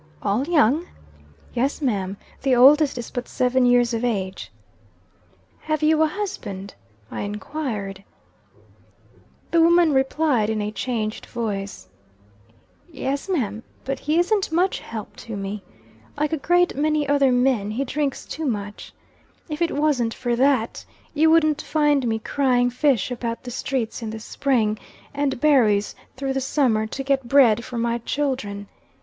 "All young?" "Yes ma'am. The oldest is but seven years of age." "Have you a husband?" I enquired. The woman replied in a changed voice: "Yes, ma'am. But he isn't much help to me. Like a great many other men, he drinks too much. If it wasn't for that, you wouldn't find me crying fish about the streets in the spring, and berries through the summer, to get bread for my children.